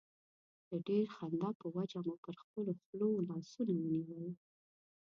د ډېرې خندا په وجه مو پر خپلو خولو لاسونه ونیول.